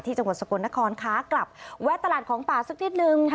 จังหวัดสกลนครค้ากลับแวะตลาดของป่าสักนิดนึง